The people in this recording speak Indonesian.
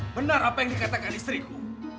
benar apa yang dikatakan istriku